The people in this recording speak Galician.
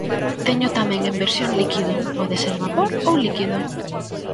Teño tamén en versión líquido, pode ser vapor ou líquido.